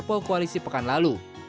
di kampung koalisi pekanlalu